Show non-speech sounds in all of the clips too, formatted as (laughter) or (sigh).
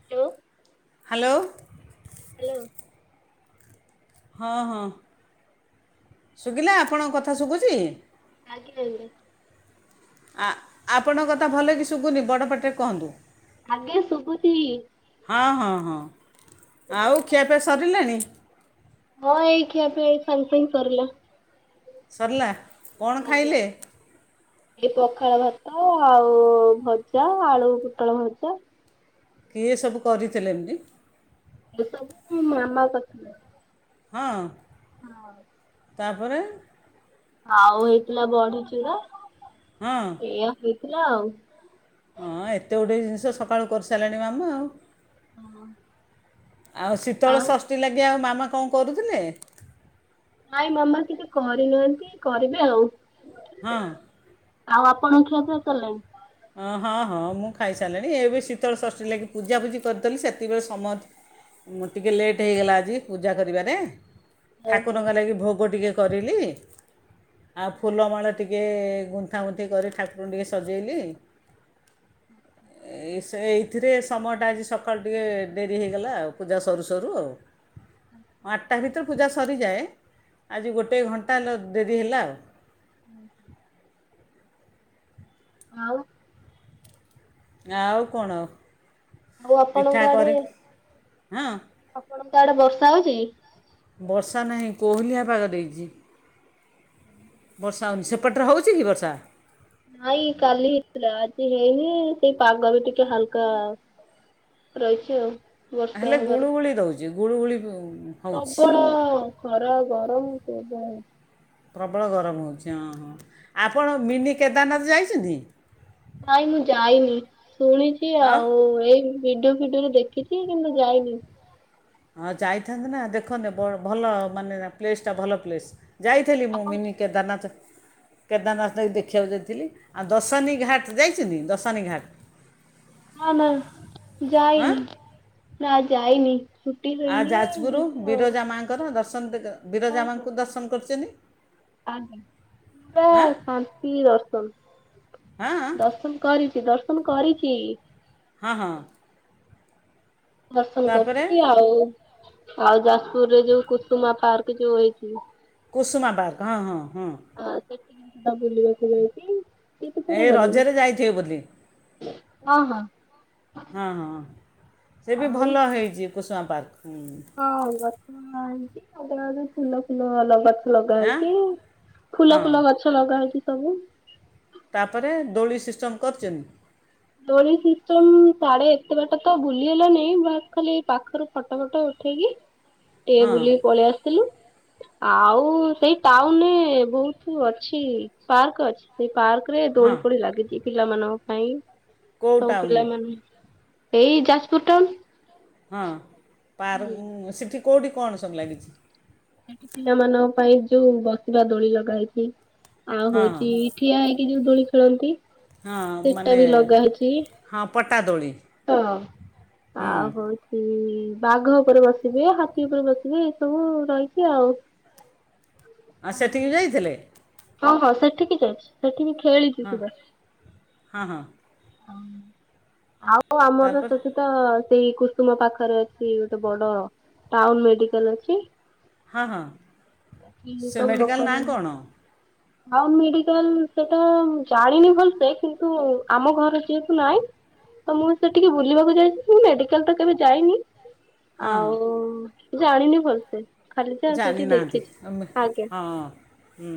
(unintelligible) Hello. Hello. ହଁ- ହଁ ଶୁବିଲା ଆପଣଙ୍କ କଥା ଶୁବୁଚି? ଆଜ୍ଞା ଆଜ୍ଞା। ଆ ଆପଣଙ୍କ କଥା ଭଲ କି ଶୁଭୁନି ବଡ଼ପାଟିରେ କୁହ। ଆଜ୍ଞା ଶୁଭୁଛି। ହଁ ହଁ ହଁ ଶୁଭିଲା ଆଉ ତ? ଖିଆପିଆ ସରିଲାଣି। ହଁ ଏଇ ଖିଆ ପାଇଁ ଏଇ ସାଙ୍ଗେ ସାଙ୍ଗ ସରିଲା। ସରିଲା। କ'ଣ ଆଜ୍ଞା। ଖାଇଲେ ଏଇ ପଖାଳ ଭାତ ଆଉ ଭଜା ଆଳୁ ପୋଟଳ ଭଜା। କିଏ ସବୁ କରିଥିଲେ ଏମତି। ଏ ସବୁ ମାମା କ ହଁ। ହଁ। ତାପରେ ଆଉ ହେଇଥିଲା ବଡ଼ିଚୁରା। ହଁ। ଏଇଆ ହେଇଥିଲା ଆଉ। ହଁ ଏତେ ଗୁଡ଼ିଏ ଜିନିଷ ସକାଳୁ କରିସାରିଲାଣି ମାମା ଆଉ। ହଁ। ଆଉ ଶୀତଳ ଷଷ୍ଠୀ ଲାଗି ଆଉ ମାମା କଣ କରୁଥିଲେ। ନାଇଁ ମାମା କିଛି କରିନାହାନ୍ତି କରିବେ ଆଉ ହଁ। ଆଉ ଆପଣଙ୍କ ଖିଆ ପିଆ ସରିଲାଣି। ହଁ ହଁ ହଁ ମୁଁ ଖାଇସାରିଲିଣି ଏବେ ଶୀତଳ ଷଷ୍ଠୀ ଲାଗି ପୂଜାପୂଜି କରିଦେଲି ସେତେବେଳେ ସମସ୍ତ ମୁଁ ଟିକିେ ଲେଟ୍ ହେଇଗଲା ଆଜି ପୂଜା କରିବାରେ ଓହୋ ଠାକୁରଙ୍କ ଲାଗି ଭୋଗ ଟିକେ କରିଲି। ଆଉ ଫୁଲମାଳ ଟିକେ ଗୁନ୍ଥାଗୁନ୍ଥି କରି ଠାକୁରଙ୍କୁ ଟିକେ ସଜେଇଲି। (inaudible) ଏ ସେ ଏଇଥିରେ ସମୟଟା ଆଜି ସକାଳୁ ଟିକେ ଡେରି ହୋଇଗଲା ଆଉ ପୂଜା ସରୁ ସରୁ ଆଉ ହଁ ଆଠଟା ଭିତରେ ପୂଜା ସରିଯାଏ ଆଜି ଗୋଟେ ଘଣ୍ଟା ହେଲା ଡେରି ହେଲା ଆଉ। (inaudible) ଆଉ ଆଉ କଣ ଆଉ ଆଉ ଆପଣଙ୍କ ଆଡେ ହଁ ଆପଣଙ୍କ ଆଡେ ବର୍ଷା ହଉଛି। ବର୍ଷା ନାହିଁ କୋହଲିଆ ପାଗ ଦେଇଛି। (inaudible) ବର୍ଷା ହେଉନି ସେପଟରେ ହେଉଛି କି ବର୍ଷା। ନାଇଁ କାଲି ହେଇଥିଲା ଆଜି ହେଇନି ସେଇ ପାଗ ବି ଟିକେ ହାଲକା ରହିଛ ଆଉ। ବର୍ଷା ହେଲେ ହବାର ଗୁଳୁ ଗୁଳି ଦେଉଛି ଗୁଳୁଗୁଳି ହେଉଛି ପ୍ରବଳ ଖରା ଗରମ ପ୍ରବଳ। ପ୍ରବଳ ଗରମ ହେଉଛି ହଁ ହଁ ଆପଣ ମିନି କେଦାରନାଥ ଯାଇଛନ୍ତି। ନାଇଁ ମୁଁ ଯାଇନି ଶୁଣିଛି ଆଉ ଏଇ ଭିଡିଓ ଫିଡିଓରେ ଦେଖିଛି କିନ୍ତୁ ଯାଇନି। ହଁ ଯାଇଥାନ୍ତେ ନା ଦେଖନ୍ତେ ଭଲ ମାନେ ପ୍ଲେସ୍ ଟା ଭଲ ପ୍ଲେସ୍। ଯାଇଥିଲି ମୁଁ ଆପଣ ମିନି ଯା- କେଦାରନାଥ। କେଦାରନାଥ ଯକି ଦେଖିବାକୁ ଯାଇଥିଲି ଆଉ ଦଶାନୀ ଘାଟ ଯାଇଛନ୍ତି ଦଶାନୀ ଘାଟ। ନା-ନା ହଁ ଯାଇନି, ନା ଯାଇନି। ଛୁଟି ହେଇନି, ଯିବୁ ଆଉ। ମା ଙ୍କର ଦର୍ଶନ ଦିଗ ହଁ ହଁ ହ ଆଜ୍ଞା ହଁ ପୁରା ଶ କି ଦର୍ଶନ, ହଁ ଦର୍ଶନ କରିଛି-ଦର୍ଶନ କରିକି ହଁ-ହଁ ଦର୍ଶନ ତାପରେ କରୁଛି, ଆଉ ଆଉ, ଯାଜପୁର ରେ ଯୋଉ କୁସୁମା ପାର୍କ ଯୋଉ ହେଇଛି। କୁସୁମା ପାର୍କ ହଁ-ହଁ-ହଁ ଆଉ, ସେ ଟିକେ କ ବୁଲିବାକୁ ଯାଇଛି। କେତେ ଏଇ ରଜରେ ଯାଇଥିବେ ବୁଲି। ହଁ-ହଁ ହଁ-ହଁ ସେ ବି ଭଲ ହେଇଛି କୁସୁମା ପାର୍କ। ହୁଁ ହଁ ଗଛ ହେଇଛି, ଆଉ ଫୁଲ-ଫୁଲ ଗଛ ଆଁ ଲଗାହେଇଛି, ହଁ ଫୁଲ-ଫୁଲ ଗଛ ଲଗାହେଇଛି ସବୁ। ତାପରେ ଦୋଳି ସିଷ୍ଟମ କରିଛନ୍ତି? ଦୋଳି ସିଷ୍ଟମ ସାଡେ ଏତେ ବାଟ ତ ବୁଲିହେଲାନି, ବାସ୍ ଖାଲି ପାଖରୁ ଫଟ-ଫଟ ଉଠେଇକି ଟିକେ ହଁ ବୁଲିକି ପଳିଆସିଥିଲୁ। ଆଉ, ସେଇ ଟାଉନରେ ବହୁତ ଅଛି ପାର୍କ ଅଛି। ସେଇ ପାର୍କ ରେ ହଁ ଦୋଳି ଫୋଳି ଲାଗିଛି ପିଲାମାନଙ୍କ ପାଇଁ କେଉଁ ସବୁ ଟାଉନ୍ ପିଲା ମାନ ଏଇ ଯାଜପୁର ଟାଉନ ହଁ ପାର ହୁଁ। ସେଠି କଉଠି କଣ ସବୁ ଲାଗିଛି। ସେଠି ପିଲାମାନଙ୍କ ପାଇଁ ଯୋଉ ବସିବା ଦୋଳି ଲଗାଇଛି ଆଉ ହଁ ହଉଛି ଠିଆ ହେଇକି ଯୋଉ ଦୋଳି ଖେଳନ୍ତି। ହଁ ସେଟା ମାନେ ବି ଲଗା ହେଇଛି। ହଁ ପଟାଦୋଳି ହଁ। ହଁ ଆଉ ହଉଛି ବାଘ ଉପରେ ବସିବେ ହାତୀ ଉପରେ ବସିବେ ଏଇସବୁ ରହିଛି ଆଉ ଆଉ ସେଠିକି ଯାଇଥିଲେ ହଁ ହଁ ସେଠିକି ଯାଇଛି ସେଠିକି ଖେଳିଛି ହଁ ସୁଧା ହଁ ହଁ ହ ଆଉ ଆମର ତାପରେ ସେଠି ତ, ସେଇ କୁସୁମ ପାଖରେ ଅଛି ଗୋଟେ ବଡ ଟାଉନ ମେଡିକାଲ ଅଛି। ହଁ ହଁ କି ସେ ତାକୁ ମେଡ଼ିକାଲ୍ ଲୋକ ନାଁ ମାନେ କ'ଣ ଟାଉନ୍ ମେଡିକାଲ ସେଟା ଜାଣିନି ଭଲସେ କିନ୍ତୁ ଆମ ଘର ଯିଏକୁୁ ନାଇଁ ତ ମୁଁ ସେ ଟିକେ ବୁଲିବାକୁ ଯାଇଛି ମୁଁ ମେଡିକାଲ ତ କେବେ ଯାଇନି ହଁ ହଁ ଆଉ ଜାଣିନି ଭଲସେ ଖାଲିଛି ଆଉ ସେଇଠି ଜାଣିନାହାନ୍ତି ଦେଖିଛି ଆମେ ଆଜ୍ଞା ହଁ ହୁଁ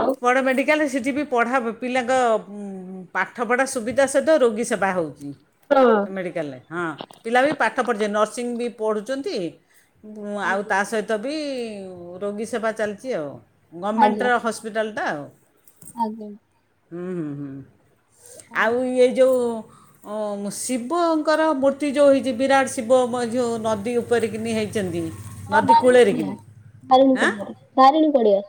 ଆଉ ବଡ଼ ମେଡ଼ିକାଲରେ ସେଠି ବି ପଢ଼ା ପିଲାଙ୍କ ପାଠପଢ଼ା ସୁବିଧା ସହିତ ରୋଗୀ ସେବା ହେଉଛି। ହଁ ସେ ମେଡ଼ିକାଲରେ ହଁ ପିଲା ବି ପାଠ ପଢ଼ୁଛନ୍ତି ନର୍ସିଂ ବି ପଢ଼ୁଛନ୍ତି ଆଉ ଆଜ୍ଞା। ତା ସହିତ ବି ରୋଗୀ ସେବା ଚାଲିଛି ଆଉ ଗଭର୍ଣ୍ଣମେଣ୍ଟର ହସ୍ ହସ୍ପିଟାଲଟା ଆଉ ଆଜ୍ଞ ହୁଁ ହୁଁ ହୁଁ ଆଉ ଇଏ ଯୋଉଁ ଶିବଙ୍କର ମୂର୍ତ୍ତି ଯେଉଁ ହେଇଛି ବିରାଟ ଶିବ ମଧ୍ୟ ଯେଉଁ ନଦୀ ଉପରେକିନି ହେଇଛନ୍ତି। ହଁ ନଦୀ ବାରିଣୀ ପଡିଆ କୂଳରିକିନି ବାରିଣୀ ହାଁ ପଡିଆ ବାରିଣୀ ପଡିଆ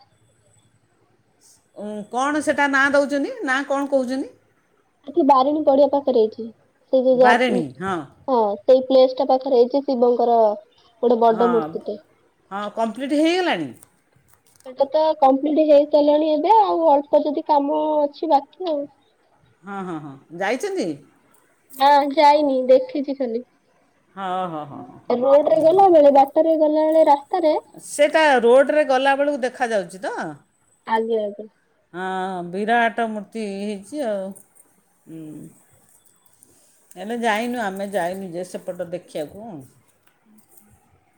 କଣ ସେଇଟା ନାଁ ଦେଉଛନ୍ତି ନାଁ କଣ କହୁଛନ୍ତି ଏଯେଉଁ ବାରିଣୀ ପଡିଆ ପାଖରେ ହେଇଛି ସେ ଯ ଯ ହଁ ସେଇ ପ୍ଲେସ୍ ଟା ପାଖରେ ହେଇଛି ଶିବଙ୍କର ଗୋଟେ ବଡ ହଁ ମୂର୍ତ୍ତିଟେ। ହଁ କମ୍ପ୍ଲିଟ୍ ହେଇଗଲାଣି। ସେଟା ତ କମ୍ପ୍ଲିଟ୍ ହେଇସାରିଲାଣି ଏବେ ଆଉ ଅଳ୍ପ ଯଦି କାମ ଅଛି ବାକି ଆଉ। ହଁ ହଁ ହଁ ଯାଇଚନ୍ତି? ନା ଯାଇନି ଦେଖିଚି ଖାଲି। ହ ହ ହଁ ହଁ ହଁ ହଁ ହୁଁ। ଥରେ ଗଲାବେଳେ ରାସ୍ତାରେ ସେତା ରୋଡ଼ରେ ଗଲାବେଳୁ ଦେଖାଯାଉଚି ତ। ଆଜ୍ଞା ଆଜ୍ଞା। ହଁ ବିରାଟ ମୂର୍ତ୍ତି ହେଇଚି ଆଉ। ଉଁ ହେଲେ ଯାଇନୁ ଆମେ ଯାଇନୁ ଯେ ସେପଟ ଦେଖିଆକୁ। (unintelligible)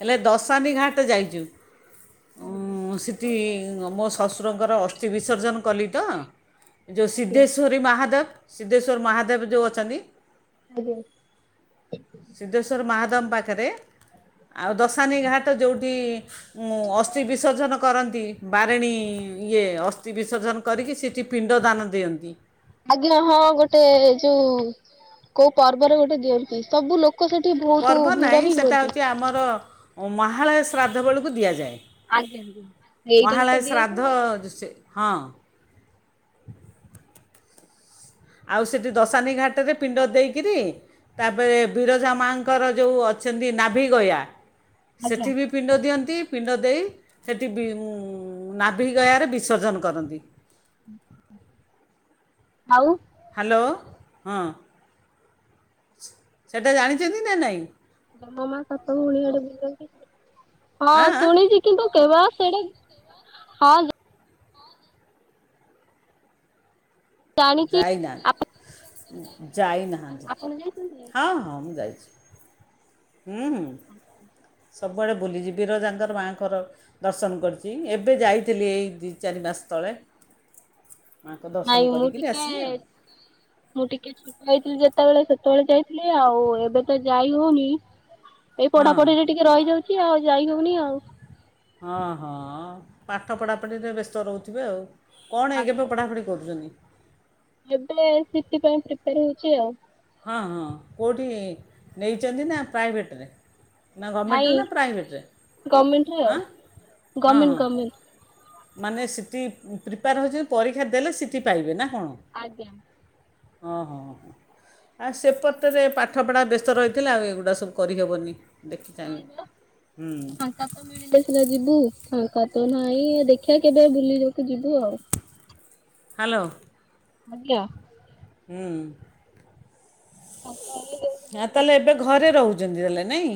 ହେଲେ ଦଶାନୀ ଘାଟ୍ ଯାଇଚୁ। ଉଁ ସିଟି ମୋ ଶଶୁରଙ୍କର ଅସ୍ଥି ବିସର୍ଜନ କଲି ତ। ଯୋ ଆଜ୍ଞା ସିଦ୍ଧେଶ୍ୱରୀ ମହାଦେବ ସିଦ୍ଧେଶ୍ୱର୍ ମହାଦେବ ଯୋଉ ଅଛନ୍ତି। ଆଜ୍ଞା। ସିଦ୍ଧେଶ୍ୱର ମାହାଦେମ୍ ପାଖରେ ଆଉ ଦଶାନୀ ଘାଟ୍ ଯୋଉଠି ମୁଁ ଅସ୍ତି ବିସର୍ଜନ କରନ୍ତି। ବାରେଣୀ ଇଏ ଅସ୍ତି ବିସର୍ଜନ କରିକି ସେଇଠି ପିଣ୍ଡ ଦାନ ଦିଅନ୍ତି। ଆଜ୍ଞା ହଁ ଗୋଟେ ଯୋଉ କୋଉ ପର୍ବରେ ଗୋଟେ ଦିଅନ୍ତି। ସବୁ ଲୋକ୍। ତାକୁ ସେଠି ବହୁତୁ ଭିଡ ବି ହୁଅନ୍ତି। ହଁ ମହାଳୟ ଶ୍ରାଦ୍ଧ ବେଳକୁ ଦିଆଯାଏ। ଏଇଟାରେ ମହାଳୟ ତ ଦିଆ ଶ୍ରାଦ୍ଧ ହୁଏ ସେ ହଁ। ଆଉ ସେଠି ଦଶାନୀ ଘାଟରେ ପିଣ୍ଡ ଦେଇକିରି। ତାପରେ ବିରଜା ମାଙ୍କର ଯୋଉଁ ଅଛନ୍ତି ନାଭି ଗୟା ସେଠି ବି। ପିଣ୍ଡ ଦିଅନ୍ତି, ପିଣ୍ଡ ଦେଇ ସେଠି ବି ନାଭି ଗୟାରେ ବିସର୍ଜନ କରନ୍ତି। ଆଉ। ହାଲୋ ହଁ ସେଟା ଜାଣିଚନ୍ତି ନା ନାଇଁ। ଜମ ମା ସାତ ଭଉଣୀ ଆଡେ ବୁଲନ୍ତି? ହଁ ଆଁ ଆଁ? ଶୁଣିଚି। କିନ୍ତୁ କେବଳ ସେଟା ହଁ। ଜାଣିଛି ଆପଣ ଯାଇନାହାନ୍ତି ଯାଇନାହାନ୍ତି ଆପଣ ଯାଇଛନ୍ତି ହଁ ହଁ ମୁଁ ଯାଇଚି। ହୁଁ ହୁଁ ସବୁଆଡ଼େ ବୁଲିଯିବି ବିରଜାଙ୍କର ମାଆଙ୍କର। ଦର୍ଶନ କରିଚି। ଏବେ ଯାଇଥିଲି ଏଇ ଦି ଚାରି ମାସ୍ ତଳେ। ମାଙ୍କ ଦର୍ଶନ ନାଇଁ ମୁଁ କରିକି ଟିକେ ଆସିଲି ଆଉ। ମୁଁ ଟିକେ ଛୋଟ ହେଇଥିଲି ଯେତେବେଳେ ସେତେବେଳେ ଯାଇଥିଲି ଆଉ ଏବେ ତ ଯାଇ ହଉନି। ଏଇ ହଁ ପଢାପଢିରେ ଟିକେ ରହିଯାଉଚି ଆଉ। ଯାଇ ହଉନି ଆଉ। ହଁ ହଁ ପାଠ ପଢ଼ାପଢ଼ିରେ ବ୍ୟସ୍ତ ରହୁଥିବେ ଆଉ। କଣ ଏ ଗେ ପେ ପଢ଼ାପଢି କରୁଚନ୍ତି? ଏବେ ସିଟି ପାଇଁ ପ୍ରିପ୍ୟାର ହଉଚି ଆଉ। ହଁ ହଁ କୋଉଠି ନେଇଛନ୍ତି ନା ପ୍ରାଇଭେଟ୍ରରେ। ନା ନାଇଁ ଗଭର୍ଣମେଣ୍ଟରେ ନା ପ୍ରାଇଭେଟ୍ରରେ ଗମେଣ୍ଟରେ ଆଉ। ଆଁ ହଁ ଗମେଣ୍ଟ ହଁ। ଗମେଣ୍ଟ। ମାନେ ସିଟି ପ୍ରିପାର ହଉଛନ୍ତି ପରୀକ୍ଷା ଦେଲେ ସିଟି ପାଇବେ ନା କଣ?? ଆଜ୍ଞା। ହଁ ହଁ ହଁ ହଁ। ଆ ସେପଟରେ ପାଠପଢ଼ା ବ୍ୟସ୍ତ ରହିଥିଲା ଆଉ ଏଗୁଡ଼ା ସବୁ କରିହେବନି। ଦେଖି ଚାହିଁବେ ନାଇଁ ହୁଁ ବା ମିଳିଲେ ସିନା ଯିବୁ, ଫାଙ୍କା ତ ନାଇଁ ଦେଖିବା କେବେ ବୁଲିିବାକୁ ଯିବୁ ଆଉ। ହାଲୋ (unintelligible) ହୁଁ। ଆଉ କ (unintelligible) ଆ ତାହେଲେ ଏବେ ଘରେ ରହୁଚନ୍ତି ତାହେଲେ ନାଇଁ?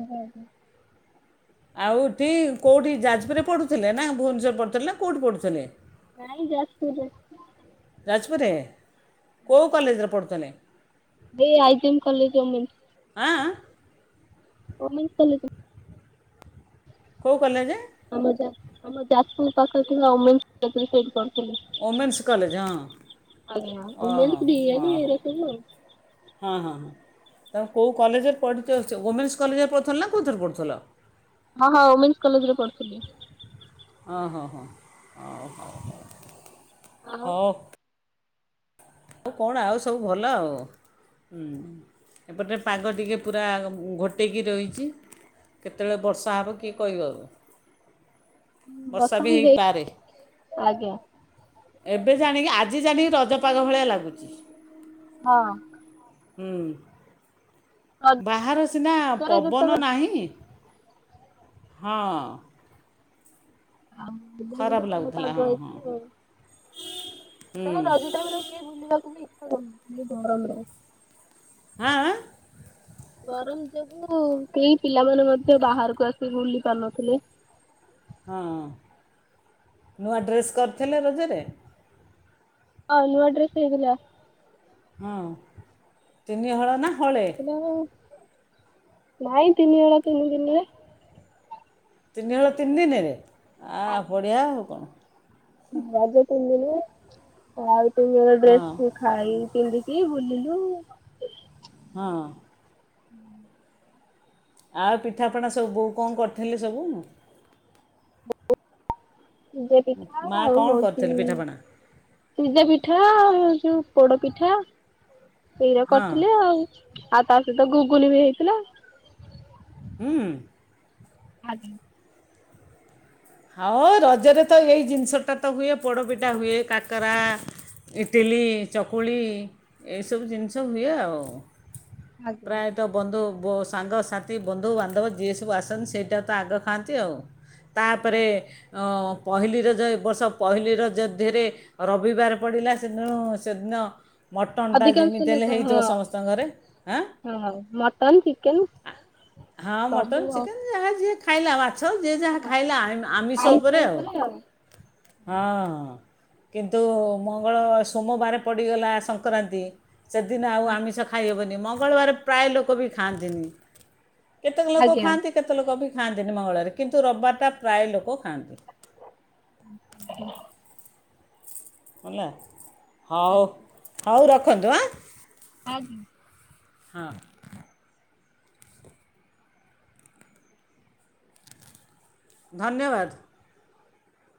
ଆଜା ଆଜା। ଆଉଠି କୋଉଠି ଯାଜପୁରରେ ପଢ଼ୁଥିଲେ ନା ଭୁବନେଶ୍ବର ରେ ପଢୁଥିଲେ ନା କୋଉଠି ପଢୁଥିଲେ? ନାଇଁ ଯାଜପୁର ରେ। ଯାଜପୁର୍ ରେ କୋଉ କଲେଜରେ ପଢ଼ୁଥିଲେ? ଏଇ ଆଇଜିଏମ୍ କଲେଜ ଓମେନ୍ସ। ଆଁ ଆଁ। Women's college. କୋଉ କଲେଜେ? ଆମ ଯାଜ୍ ଆମ ଯାଜପୁର ପାଖରେ ଥିବା ଓମେନ୍ସ କଲେଜ୍ ସେଇଠି ପଢୁଥିଲି। ଓମେନ୍ସ କଲେଜ୍, ଆଜ୍ଞା ହଁ ଓମେନ୍ସ ଓହୋ ଡିଏନ୍ ହଁ ହଁ। ଏଇରା ସବୁ ଆଉ ହଁ ହଁ। ତ କୋଉ କଲେଜରେ ପଢିଛ ୱମେନ୍ସ କଲେଜରେ ପଢ଼ୁଥିଲ ନା କୋଉଥିରେ ପଢୁଥିଲ? ହଁ ହଁ ଓମେନ୍ସ କଲେଜ୍ ରେ ପଢୁଥିଲି। ହଁ ହଁ ହଁ ଓ ଆଉ ହୋଉ। ଆଉ କଣ ଆଉ ସବୁ ଭଲ ଆଉ। ଏପଟେ ପାଗ ଟିକେ ପୁରା ଘୋଟେଇକି ରହିଛି। କେତେବେଳେ ବର୍ଷା ହବ କିଏ କହିବ ବର୍ଷା ବି ହେଇପାରେ। ଆଜ୍ଞା ଏବେ ଜାଣିକି ଆଜି ଜାଣିକି ରଜପାଗ ଭଳିଆ ଲାଗୁଛି। ହଁ। ହୁଁ। ବାହାରେ ସିନା ପବନ ନାହିଁ ହଁ। ଆଉ ଖରାପ ମୁ ଭଲ ଲାଗୁଥିଲା ପାଗ ହଁ ହଁ ହେଇଛି ଆଉ ତା ରଜଟାକୁ ରହି ଏ ବୁଲିବାକୁ ବି (unintelligible) ଗରମରେ। ଆଁ ଆଁ। ଗରମ ଯୋଗୁ କେହି ପିଲାମାନେ ମଧ୍ୟ ବାହାରକୁ ଆସିି ବୁଲି ପାରୁନଥିଲେ। ହଁ। ନୂଆ ଡ୍ରେସ୍ କରିଥିଲେ ରଜରେ? ହଁ ନୂଆ ଡ୍ରେସ୍ ହେଇଥିଲା। ହଁ ତିନି ହଳ ନା? ହଳେ ହେଇଥିଲା ନାଇଁ ତିନି ହଳ ତିନି ଦିନିରେ। ତିନି ହଳ ତିନି ଦିନିରେ, ଆ ବଢ଼ିଆ ଆଉ କଣ। ହଁ ରଜ ତିନିଦିନି ଆଉ ତିନି ହଳ ହଁ ଡ୍ରେସ୍ ଖାଇ ପିନ୍ଧିକି ବୁଲିଲୁ। ହଁ। ହୁଁ। ଆଉ ପିଠାପଣା ସବୁ ବୋଉ କଣ କରିଥିଲେ ସବୁ? ସିଜେ ପିଠା ମା' ଆଉ କ'ଣ ହଉଛି। କରିଥିଲେ ପିଠାପଣା ସିଜା ପିଠା ଆଉ ଯୋଉ ପୋଡ ପିଠା ଏଇରା ହଁ କରିଥିଲେ ଆଉ। ଆଉ ତା ସହିତ ଗୁଗୁନି ବି ହେଇଥିଲା। ହୁଁ। ଆଜ୍ଞା। ହଉ ରଜରେ ତ ଏଇ ଜିନିଷଟା ତ ହୁଏ ପୋଡ଼ପିଠା ହୁଏ କାକରା ଇଟିଲି ଚକୁଳି ଏସବୁ ଜିନିଷ ହୁଏ ଆଉ। ପ୍ରାୟ। ତ ବନ୍ଧୁ ସାଙ୍ଗସାଥି ବନ୍ଧୁବାନ୍ଧବ ଯିଏ ସବୁ ଆସନ୍ତି ସେଇଟା ତ ଆଗ ଖାଆନ୍ତି ଆଉ। ତାପରେ ଅ ପହିଲି ରଜ ଏ ବର୍ଷ ପହିଲି ରଜ ଦେହରେ ରବିବାର ପଡିଲା ସେଦିନ ସେଦିନ ମଟନ୍ ଟା ଅଧିକାଂଶ ଯେମିତି ହେଲେ ଲୋକ ହେଇଥିବ ହଁ ସମସ୍ତଙ୍କ ଘରେ ଆଁ ହଁ ମଟନ ଚିକେନ ଆ। ହଁ ମଟନ ସବୁ ଆଉ ଚିକେନ ଯାହା ଯିଏ ଖାଇଲା ମାଛ ଯିଏ ଯାହା ଖାଇଲା ଆମିଷ ଖାଇ ଉପରେ ଶୋଇ ଆଉ ପଡେ ହଁଁ। କିନ୍ତୁ ମଙ୍ଗଳ ସୋମବାର ପଡ଼ିଗଲା ସଂକ୍ରାନ୍ତି ସେଦିନ ଆଉ ଆମିଷ ଖାଇହବନି ମଙ୍ଗଳବାର ପ୍ରାୟ ଲୋକ ବି ଖାଆନ୍ତିନି। କେତେକ ଲୋକ ଖାଆନ୍ତି କେତେ ଲୋକ ବି ଖାଆନ୍ତିନି ମଙ୍ଗଳବାରେ କିନ୍ତୁ ରବିବାର ଟା ପ୍ରାୟ ଲୋକ ଖାଆନ୍ତି। (unintelligible) ହେଲା ହଉ ହଉ ରଖନ୍ତୁ ଆଁ? (unintelligible) ହଁ। ଧନ୍ୟବାଦ।